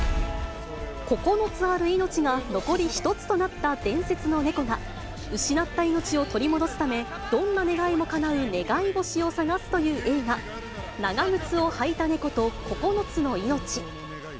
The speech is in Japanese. ９つある命が残り１つとなった伝説の猫が、失った命を取り戻すため、どんな願いもかなう願い星を探すという映画、長ぐつをはいたネコと９つの命。